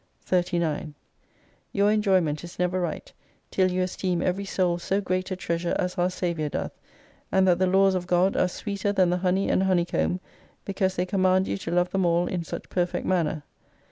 39 Your enjoyment is never right, till you esteem every Soul so great a treasure as our Saviour doth : and that the laws of God are sweeter than the honey and honey comb because they command you to love them all in such perfect manner.